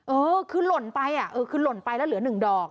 เออคือหล่นไปอ่ะเออคือหล่นไปแล้วเหลือหนึ่งดอก